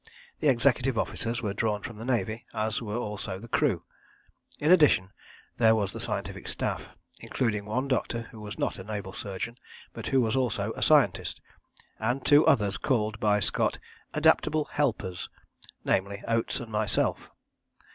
The executive officers were drawn from the Navy, as were also the crew. In addition there was the scientific staff, including one doctor who was not a naval surgeon, but who was also a scientist, and two others called by Scott 'adaptable helpers,' namely Oates and myself.